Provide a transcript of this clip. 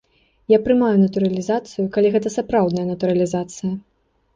Я прымаю натуралізацыю, калі гэта сапраўдная натуралізацыя.